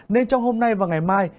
nên trong hôm nay và ngày mai